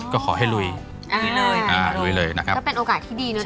ก็ขอให้ลุยอันนี้เลยอ่าลุยเลยนะครับก็เป็นโอกาสที่ดีเนอ